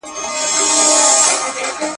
یوه ورځ پاچا وو غلی ورغلی.